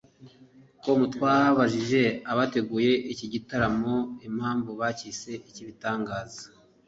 com twabajije abateguye iki giterane impamvu bacyise icy'ibitangaza